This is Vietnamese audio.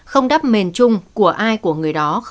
không đắp mền chung